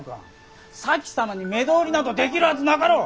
前様に目通りなどできるはずなかろう。